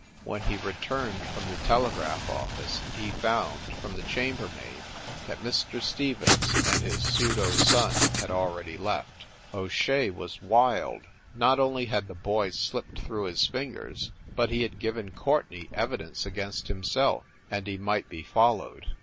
When he returned from the telegraph office he found, from the chambermaid, that Mr. Stevens and his pseudo son had already left. O Shea was wild. Not only had the boy slipped through his fingers, but he had given Courtenay evi dence against himself, and he might be followed.